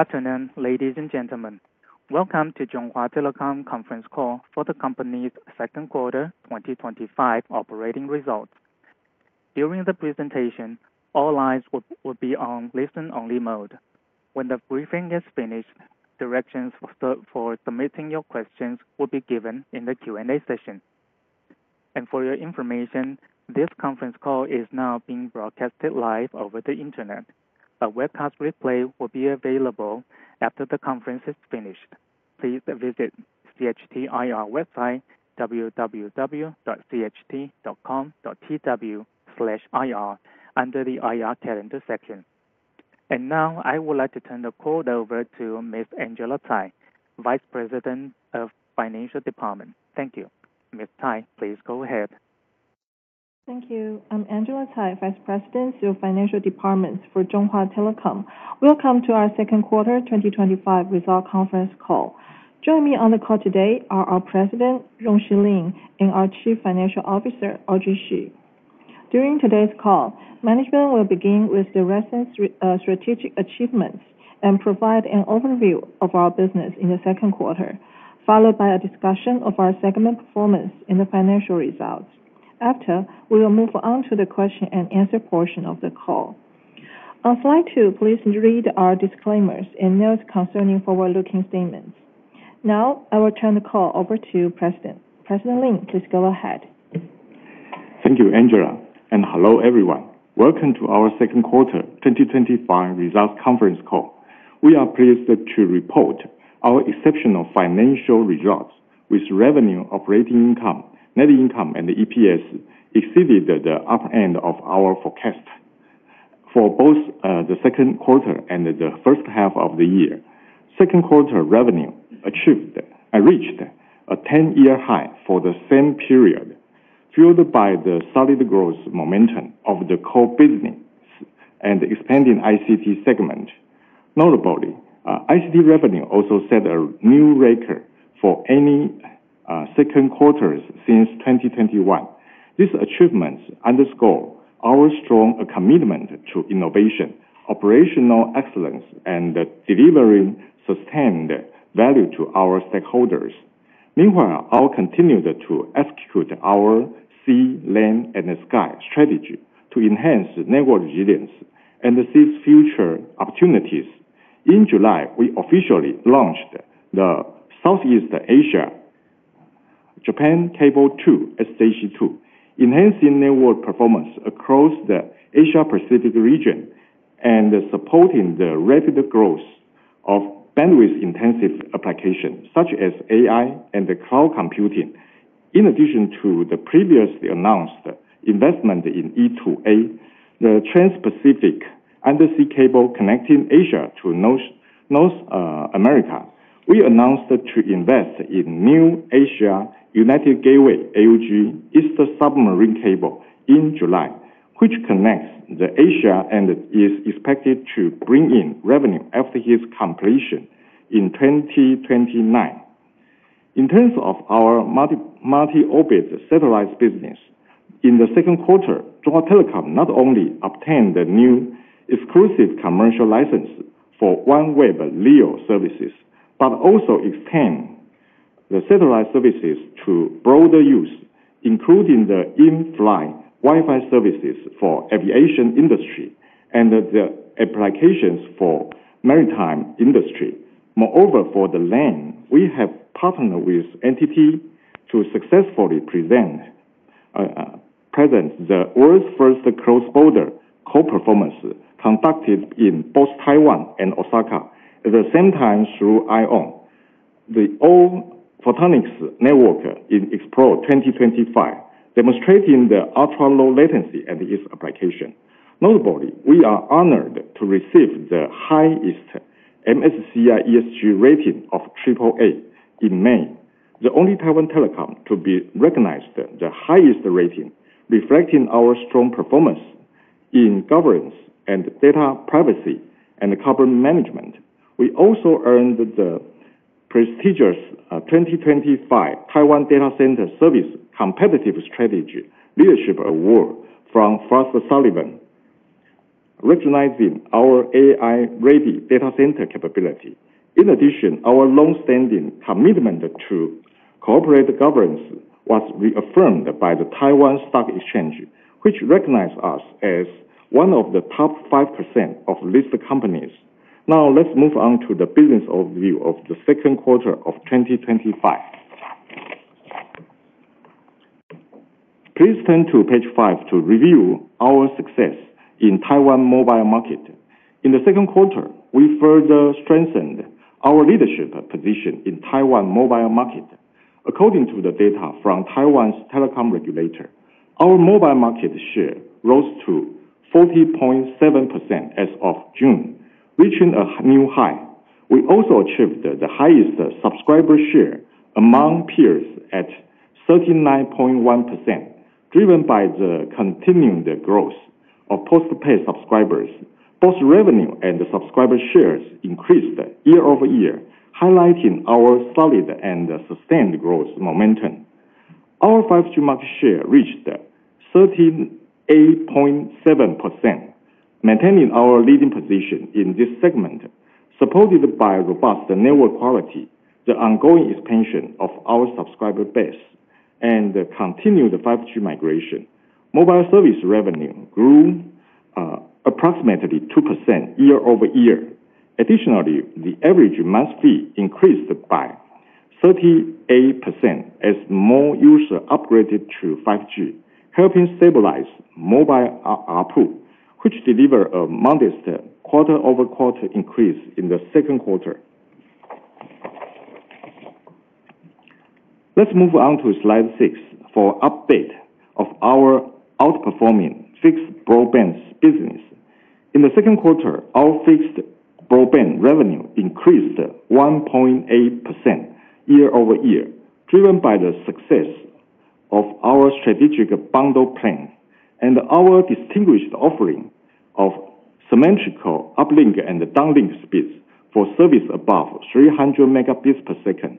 Attendant, ladies and gentlemen, welcome to Chunghwa Telecom's conference call for the company's second quarter 2025 operating results. During the presentation, all lines will be on listen-only mode. When the briefing is finished, directions for submitting your questions will be given in the Q&A session. For your information, this conference call is now being broadcasted live over the internet. A webcast replay will be available after the conference is finished. Please visit the CHT IR website at www.cht.com.tw/ir under the IR calendar section. I would like to turn the call over to Ms. Angela Tsai, Vice President of the Financial Department. Thank you. Ms. Tsai, please go ahead. Thank you. I'm Angela Tsai, Vice President of Financial Department for Chunghwa Telecom. Welcome to our second quarter 2025 results conference call. Joining me on the call today are our President, Rong-Shy Lin, and our Chief Financial Officer, Audrey Hsu. During today's call, management will begin with the recent strategic achievements and provide an overview of our business in the second quarter, followed by a discussion of our segment performance in the financial results. After, we will move on to the question and answer portion of the call. On slide two, please read our disclaimers and notes concerning forward-looking statements. Now, I will turn the call over to the President. President Lin, please go ahead. Thank you, Angela, and hello everyone. Welcome to our second quarter 2025 results conference call. We are pleased to report our exceptional financial results, with revenue, operating income, net income, and EPS exceeding the upper end of our forecast for both the second quarter and the first half of the year. Second quarter revenue achieved and reached a 10-year high for the same period, fueled by the solid growth momentum of the core business and expanding ICT segment. Notably, ICT revenue also set a new record for any second quarter since 2021. These achievements underscore our strong commitment to innovation, operational excellence, and delivering sustained value to our stakeholders. Meanwhile, I'll continue to execute our sea, land, and sky strategy to enhance network resilience and seize future opportunities. In July, we officially launched the Southeast Asia Japan Cable 2,SJC2, enhancing network performance across the Asia-Pacific region and supporting the rapid growth of bandwidth-intensive applications such as AI and cloud computing. In addition to the previously announced investment in E2A, the Trans-Pacific undersea cable connecting Asia to North America, we announced to invest in the new Asia United Gateway, AUG Eastern Submarine Cable in July, which connects Asia and is expected to bring in revenue after its completion in 2029. In terms of our multi-orbit satellite business, in the second quarter, Chunghwa Telecom not only obtained the new exclusive commercial license for OneWeb LEO services, but also expanded the satellite services to broader use, including the in-flight Wi-Fi services for the aviation industry and the applications for the maritime industry. Moreover, for the LAN, we have partnered with NTT to successfully present the world's first cross-border call performance conducted in both Taiwan and Osaka at the same time through ION. The all-photonics network in Explore 2025 demonstrated the ultra-low latency at its application. Notably, we are honored to receive the highest MSCI ESG rating of AAA in May, the only Taiwan telecom to be recognized with the highest rating, reflecting our strong performance in governance, data privacy, and carbon management. We also earned the prestigious 2025 Taiwan Data Center Service Competitive Strategy Leadership Award from Frost & Sullivan, recognizing our AI-ready data center capability. In addition, our longstanding commitment to corporate governance was reaffirmed by the Taiwan Stock Exchange, which recognized us as one of the top 5% of listed companies. Now, let's move on to the business overview of the second quarter of 2025. Please turn to page five to review our success in the Taiwan mobile market. In the second quarter, we further strengthened our leadership position in the Taiwan mobile market. According to the data from Taiwan's telecom regulator, our mobile market share rose to 40.7% as of June, reaching a new high. We also achieved the highest subscriber share among peers at 39.1%, driven by the continuing growth of post-pay subscribers. Both revenue and subscriber shares increased year-over-year, highlighting our solid and sustained growth momentum. Our 5G market share reached 38.7%, maintaining our leading position in this segment, supported by robust network quality, the ongoing expansion of our subscriber base, and the continued 5G migration. Mobile service revenue grew approximately 2% year-over-year. Additionally, the average month's fee increased by 38% as more users upgraded to 5G, helping stabilize mobile ARPU, which delivered a modest quarter-over-quarter increase in the second quarter. Let's move on to slide six for an update of our outperforming fixed broadband business. In the second quarter, our fixed broadband revenue increased 1.8% year-over-year, driven by the success of our strategic bundle plan and our distinguished offering of symmetrical uplink and downlink speeds for service above 300 Mb per second.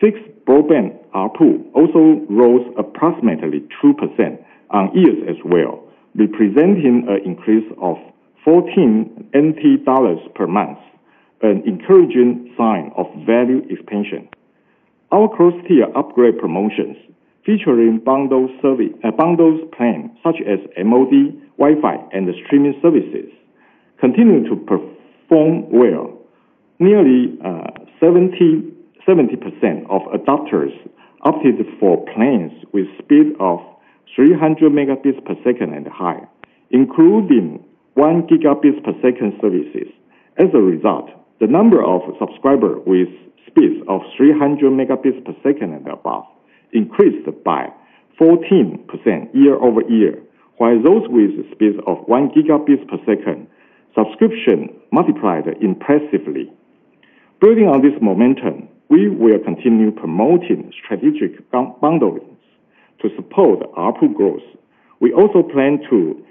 Fixed broadband ARPU also rose approximately 2% on years as well, representing an increase of NT$14 per month, an encouraging sign of value expansion. Our cross-tier upgrade promotions, featuring bundled services such as MOD, Wi-Fi, and streaming services, continue to perform well. Nearly 70% of adopters opted for plans with speeds of 300 Mb per second and higher, including 1 Gb per second services. As a result, the number of subscribers with speeds of 300 Mb per second and above increased by 14% year-over-year, while those with speeds of 1 Gb per second subscriptions multiplied impressively. Building on this momentum, we will continue promoting strategic bundling to support ARPU growth. We also plan to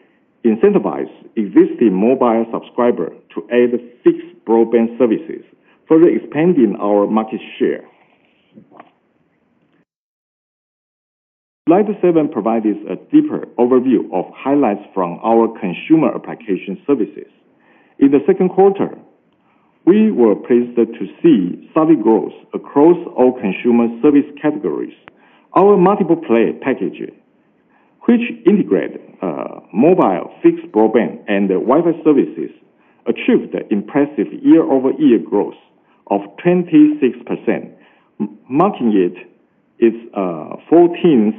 incentivize existing mobile subscribers to add fixed broadband services, further expanding our market share. Slide seven provides a deeper overview of highlights from our consumer application services. In the second quarter, we were pleased to see solid growth across all consumer service categories. Our multiple play packages, which integrate mobile, fixed broadband, and Wi-Fi services, achieved impressive year-over-year growth of 26%, marking its 14th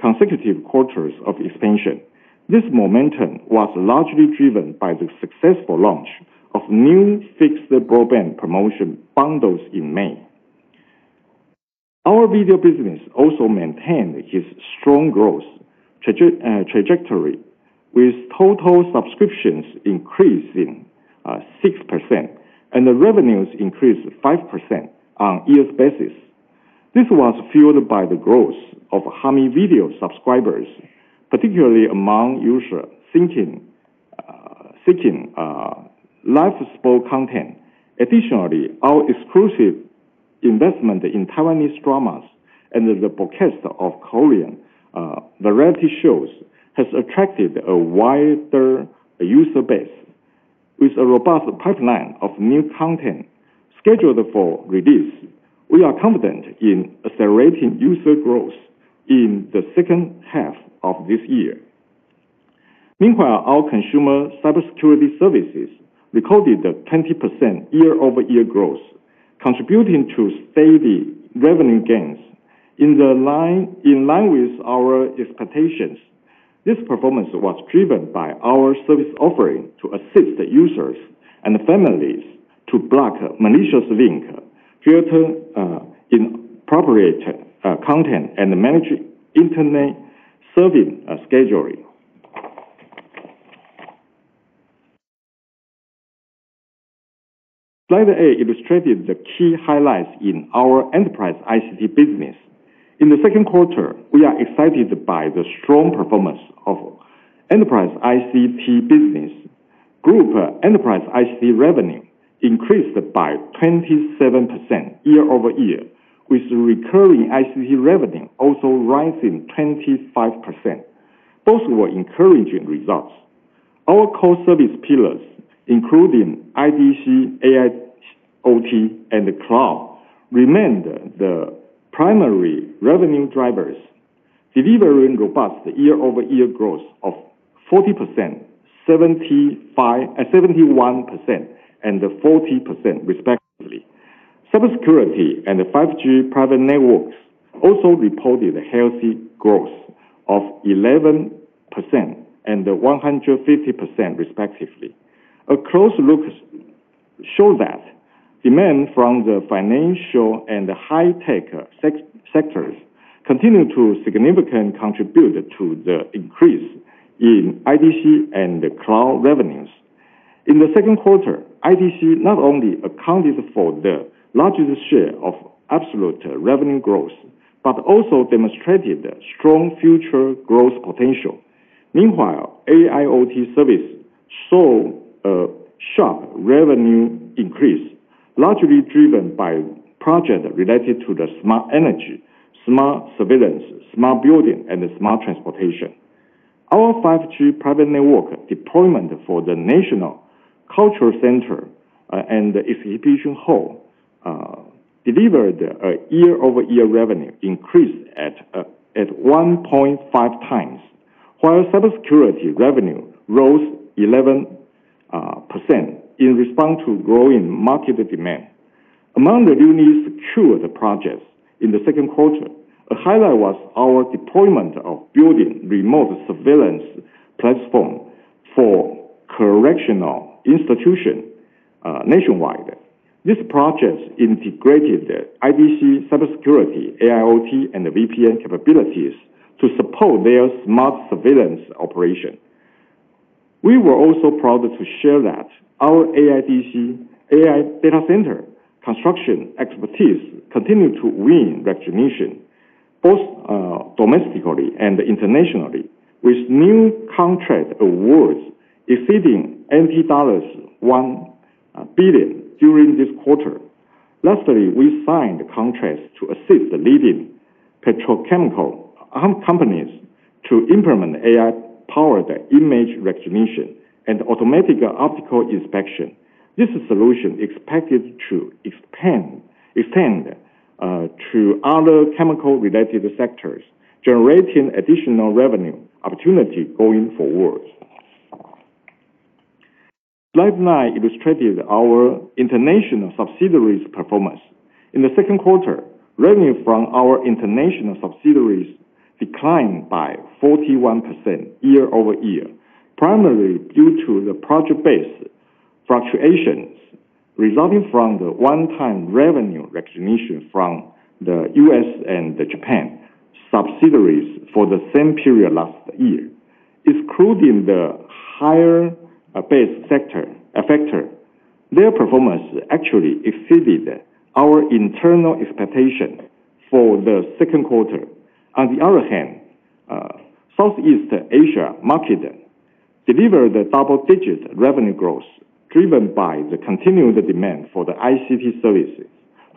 consecutive quarter of expansion. This momentum was largely driven by the successful launch of new fixed broadband promotion bundles in May. Our video business also maintained its strong growth trajectory, with total subscriptions increasing 6% and revenues increasing 5% on an annual basis. This was fueled by the growth of how many video subscribers, particularly among users seeking live-streamed content. Additionally, our exclusive investment in Taiwanese dramas and the broadcast of Korean reality shows has attracted a wider user base. With a robust pipeline of new content scheduled for release, we are confident in accelerating user growth in the second half of this year. Meanwhile, our consumer cybersecurity services recorded a 20% year-over-year growth, contributing to steady revenue gains. In line with our expectations, this performance was driven by our service offering to assist users and families to block malicious links, filter inappropriate content, and manage internet serving scheduling. Slide eight illustrates the key highlights in our enterprise ICT business. In the second quarter, we are excited by the strong performance of the enterprise ICT business. Group enterprise ICT revenue increased by 27% year-over-year, with recurring ICT revenue also rising 25%. Both were encouraging results. Our core service pillars, including IDC, AIoT, and cloud, remain the primary revenue drivers, delivering robust year-over-year growth of 40%, 71%, and 40% respectively. Cybersecurity and 5G private networks also reported a healthy growth of 11% and 150% respectively. A close look shows that demand from the financial and high-tech sectors continues to significantly contribute to the increase in IDC and cloud revenues. In the second quarter, IDC not only accounted for the largest share of absolute revenue growth but also demonstrated strong future growth potential. Meanwhile, AIoT service saw a sharp revenue increase, largely driven by projects related to smart energy, smart surveillance, smart building, and smart transportation. Our 5G private network deployment for the National Cultural Center and the exhibition hall delivered year-over-year revenue increase at 1.5x while cybersecurity revenue rose 11% in response to growing market demand. Among the newly secured projects in the second quarter, a highlight was our deployment of a building remote surveillance platform for correctional institutions nationwide. This project integrated IDC, cybersecurity, AIoT, and VPN capabilities to support their smart surveillance operation. We were also proud to share that our IDC AI data center construction expertise continued to win recognition, both domestically and internationally, with new contract awards exceeding NT$1 billion during this quarter. Lastly, we signed contracts to assist leading petrochemical companies to implement AI-powered image recognition and automatic optical inspection. This solution is expected to expand to other chemical-related sectors, generating additional revenue opportunities going forward. Slide nine illustrates our international subsidiaries' performance. In the second quarter, revenue from our international subsidiaries declined by 41% year-over-year, primarily due to the project-based fluctuations resulting from the one-time revenue recognition from the U.S. and Japan subsidiaries for the same period last year. Excluding the higher-based sectors, their performance actually exceeded our internal expectations for the second quarter. On the other hand, Southeast Asia market delivered double-digit revenue growth, driven by the continued demand for the ICT services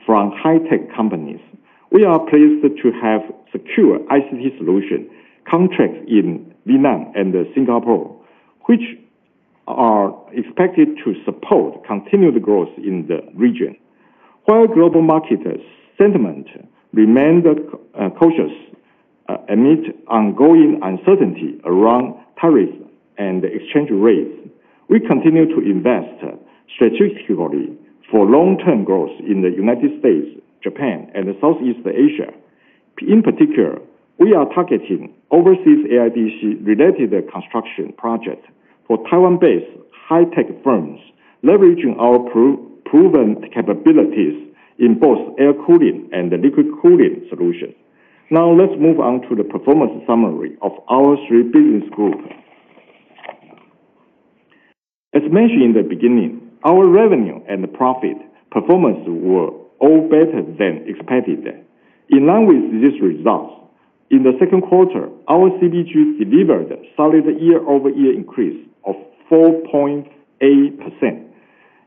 from high-tech companies. We are pleased to have secured ICT solution contracts in Vietnam and Singapore, which are expected to support continued growth in the region. While global market sentiment remains cautious amid ongoing uncertainty around tariffs and exchange rates, we continue to invest strategically for long-term growth in the United States., Japan, and Southeast Asia. In particular, we are targeting overseas IDC-related construction projects for Taiwan-based high-tech firms, leveraging our proven capabilities in both air cooling and liquid cooling solutions. Now, let's move on to the performance summary of our three business goals. As mentioned in the beginning, our revenue and profit performance were all better than expected. In line with these results, in the second quarter, our CBG delivered a solid year-over-year increase of 4.8%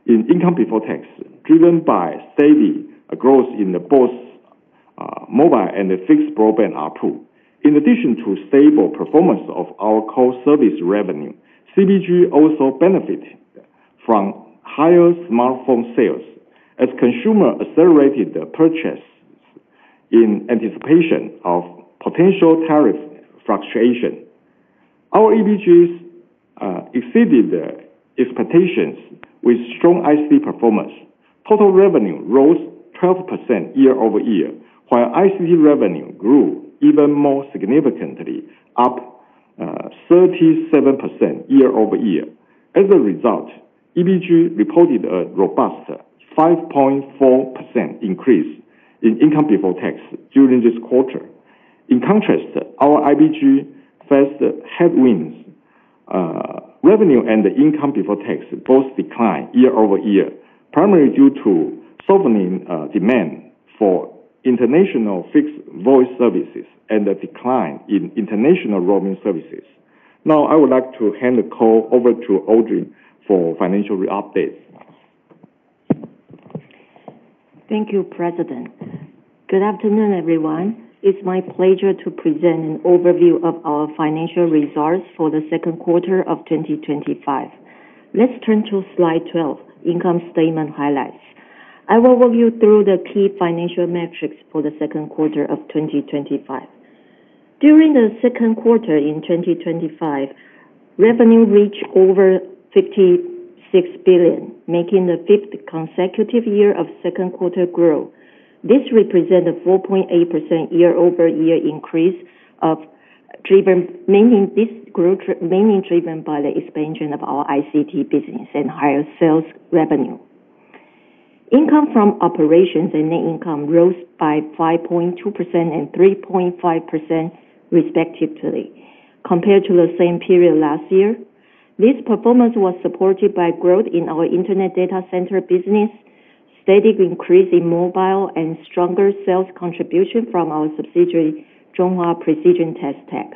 in income before tax, driven by steady growth in both mobile and fixed broadband ARPU. In addition to stable performance of our core service revenue, CBG also benefited from higher smartphone sales as consumers accelerated the purchase in anticipation of potential tariff fluctuations. Our EBGs exceeded expectations with strong ICT performance. Total revenue rose 12% year-over-year, while ICT revenue grew even more significantly, up 37% year-over-year. As a result, EBG reported a robust 5.4% increase in income before tax during this quarter. In contrast, our IBG faced headwinds. Revenue and income before tax both declined year over year, primarily due to softening demand for international fixed voice services and a decline in international roaming services. Now, I would like to hand the call over to Audrey for financial updates. Thank you, President. Good afternoon, everyone. It's my pleasure to present an overview of our financial results for the second quarter of 2025. Let's turn to slide 12, income statement highlights. I will walk you through the key financial metrics for the second quarter of 2025. During the second quarter in 2025, revenue reached over NT$56 billion, making the fifth consecutive year of second quarter growth. This represents a 4.8% year-over-year increase driven by the expansion of our ICT business and higher sales revenue. Income from operations and net income rose by 5.2% and 3.5% respectively, compared to the same period last year. This performance was supported by growth in our IDC business, a steady increase in mobile, and stronger sales contribution from our subsidiary Chunghwa Precision Test Tech.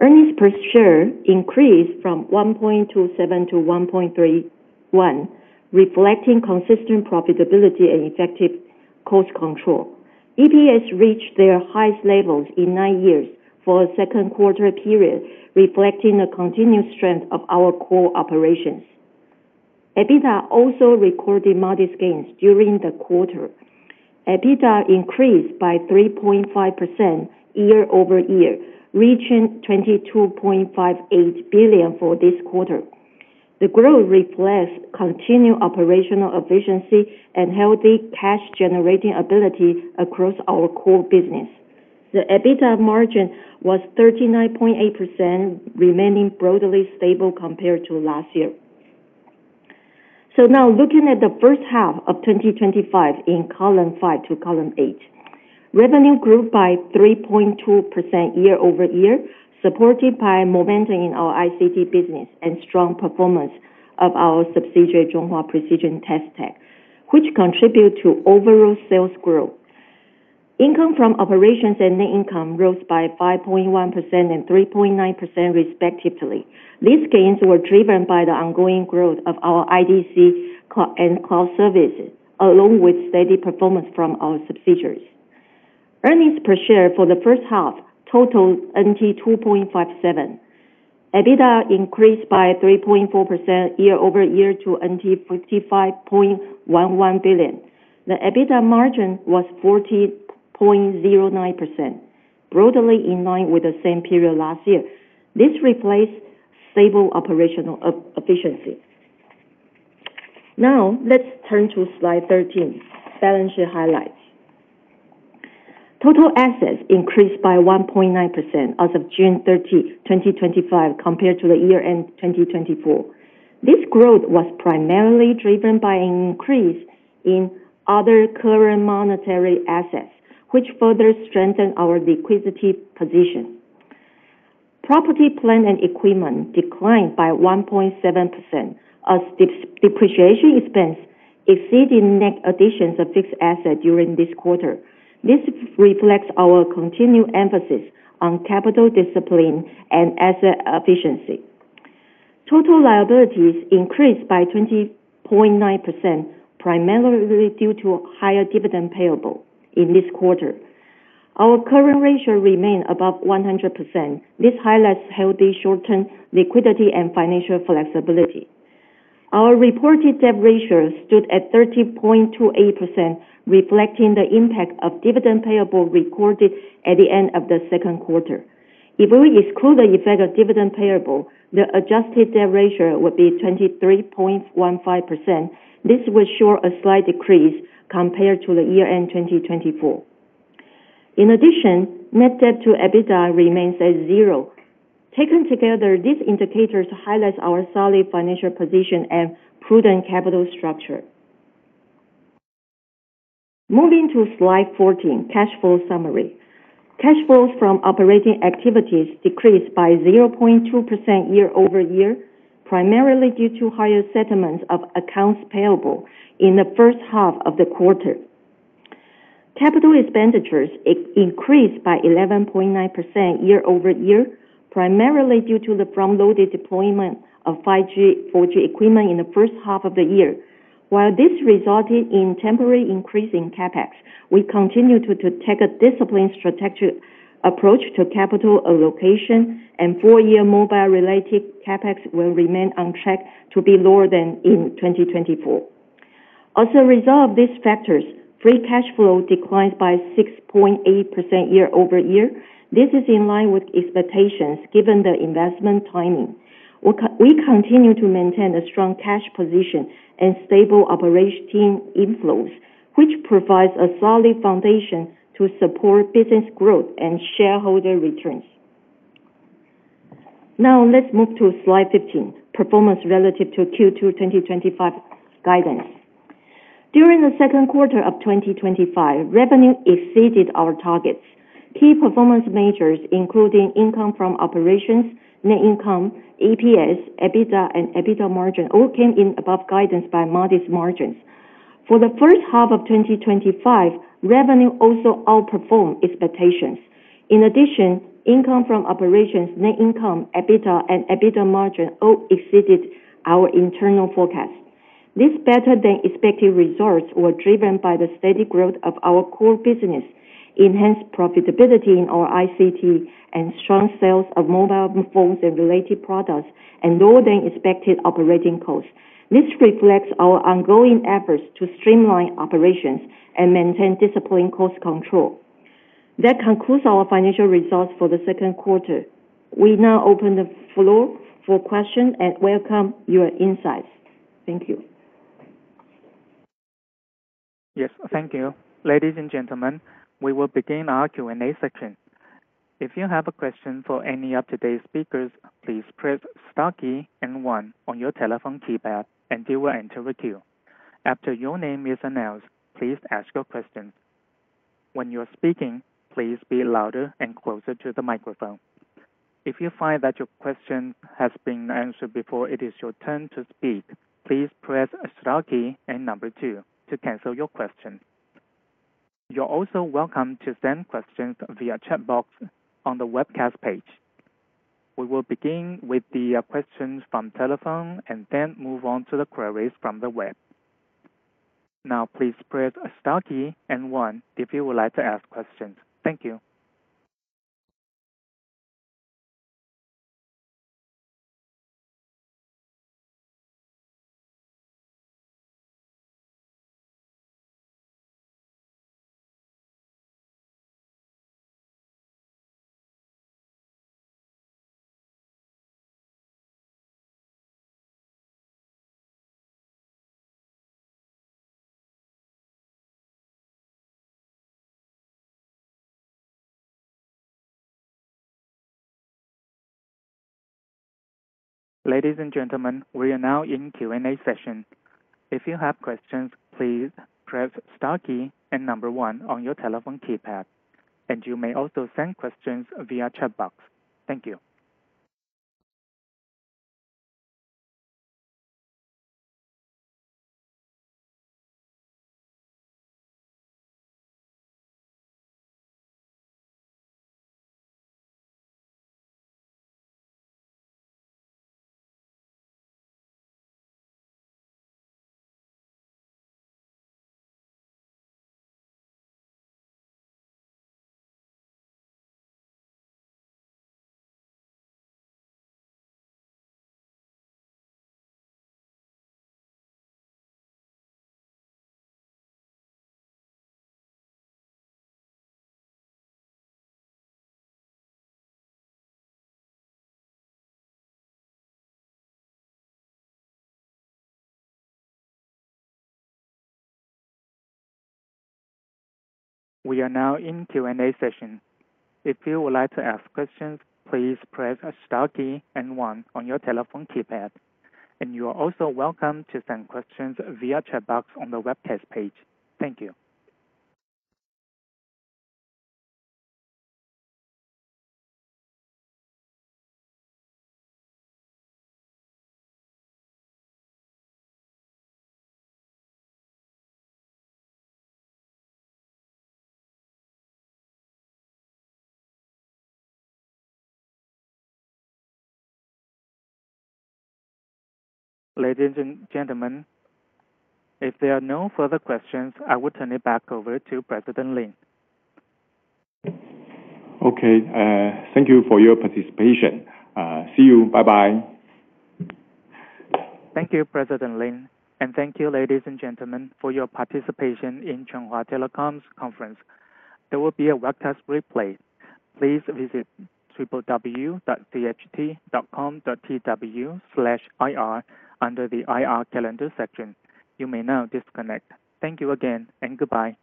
Earnings per share increased from NT$1.27 to NT$1.31, reflecting consistent profitability and effective cost control. EPS reached their highest levels in nine years for a second quarter period, reflecting the continued strength of our core operations. EBITDA also recorded modest gains during the quarter. EBITDA increased by 3.5% year-over-year, reaching NT$22.58 billion for this quarter. The growth reflects continued operational efficiency and healthy cash-generating ability across our core business. The EBITDA margin was 39.8%, remaining broadly stable compared to last year. Now, looking at the first half of 2025 in column five to column eight, revenue grew by 3.2% year-over-year, supported by momentum in our ICT business and strong performance of our subsidiary Chunghwa Precision Test Tech, which contributed to overall sales growth. Income from operations and net income rose by 5.1% and 3.9% respectively. These gains were driven by the ongoing growth of our IDC and cloud services, along with steady performance from our subsidiaries. Earnings per share for the first half totaled NT$2.57. EBITDA increased by 3.4% year-over-year to NT$55.11 billion. The EBITDA margin was 40.09%, broadly in line with the same period last year. This reflects stable operational efficiency. Let's turn to slide 13, balance sheet highlights. Total assets increased by 1.9% as of June 13, 2025, compared to year-end 2024. This growth was primarily driven by an increase in other current monetary assets, which further strengthened our liquidity position. Property, plant, and equipment declined by 1.7%, as depreciation expense exceeded net additions of fixed assets during this quarter. This reflects our continued emphasis on capital discipline and asset efficiency. Total liabilities increased by 20.9%, primarily due to higher dividend payables in this quarter. Our current ratio remained above 100%. This highlights healthy short-term liquidity and financial flexibility. Our reported debt ratio stood at 30.28%, reflecting the impact of dividend payables recorded at the end of the second quarter. If we exclude the effect of dividend payables, the adjusted debt ratio would be 23.15%. This would show a slight decrease compared to the year-end 2024. In addition, net debt to EBITDA remains at zero. Taken together, these indicators highlight our solid financial position and prudent capital structure. Moving to slide 14, cash flow summary. Cash flows from operating activities decreased by 0.2% year-over-year, primarily due to higher settlements of accounts payable in the first half of the quarter. Capital expenditures increased by 11.9% year-over-year, primarily due to the front-load deployment of 5G and 4G equipment in the first half of the year. While this resulted in a temporary increase in CapEx, we continue to take a disciplined strategic approach to capital allocation, and full-year mobile-related CapEx will remain on track to be lower than in 2024. As a result of these factors, free cash flow declined by 6.8% year-over-year. This is in line with expectations given the investment timing. We continue to maintain a strong cash position and stable operating inflows, which provides a solid foundation to support business growth and shareholder returns. Now, let's move to slide 15, performance relative to Q2 2025 guidance. During the second quarter of 2025, revenue exceeded our targets. Key performance measures, including income from operations, net income, EPS, EBITDA, and EBITDA margin, all came in above guidance by modest margins. For the first half of 2025, revenue also outperformed expectations. In addition, income from operations, net income, EBITDA, and EBITDA margin all exceeded our internal forecasts. These better-than-expected results were driven by the steady growth of our core business, enhanced profitability in our ICT, strong sales of mobile phones and related products, and lower-than-expected operating costs. This reflects our ongoing efforts to streamline operations and maintain disciplined cost control. That concludes our financial results for the second quarter. We now open the floor for questions and welcome your insights. Thank you. Yes, thank you. Ladies and gentlemen, we will begin our Q&A session. If you have a question for any of today's speakers, please press the star key and one on your telephone keypad, and they will answer it to you. After your name is announced, please ask your question. When you are speaking, please be louder and closer to the microphone. If you find that your question has been answered before it is your turn to speak, please press the star key and number two to cancel your question. You're also welcome to send questions via the chat box on the webcast page. We will begin with the questions from the telephone and then move on to the queries from the web. Now, please press the star key and one if you would like to ask questions. Thank you. Ladies and gentlemen, we are now in the Q&A session. If you have questions, please press the star key and number one on your telephone keypad, and you may also send questions via the chat box. Thank you. We are now in the Q&A session. If you would like to ask questions, please press the star key and one on your telephone keypad, and you are also welcome to send questions via the chat box on the webcast page. Thank you. Ladies and gentlemen, if there are no further questions, I will turn it back over to President Lin. Okay. Thank you for your participation. See you. Bye-bye. Thank you, President Lin, and thank you, ladies and gentlemen, for your participation in Chunghwa Telecom's conference. There will be a webcast replay. Please visit www.cht.com.tw/ir under the IR calendar section. You may now disconnect. Thank you again, and goodbye.